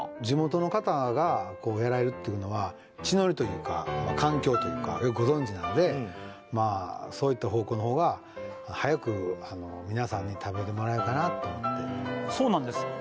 地元の方がやられるっていうのは地の利というか環境というかよくご存じなのでまあそういった方向の方が早く皆さんに食べてもらえるかなと思ってそうなんです